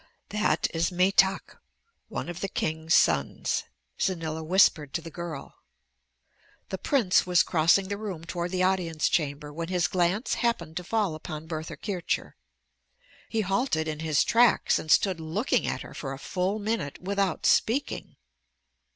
"That is Metak, one of the king's sons," Xanila whispered to the girl. The prince was crossing the room toward the audience chamber when his glance happened to fall upon Bertha Kircher. He halted in his tracks and stood looking at her for a full minute without speaking.